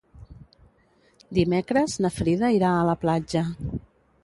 Dimecres na Frida irà a la platja.